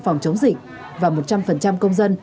phòng chống dịch và một trăm linh công dân